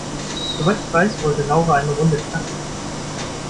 Soweit ich weiß, wollte Laura eine Runde knacken.